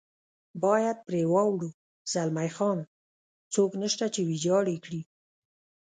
باید پرې واوړو، زلمی خان: څوک نشته چې ویجاړ یې کړي.